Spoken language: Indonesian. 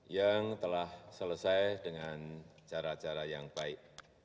yang telah selesai dengan cara cara yang baik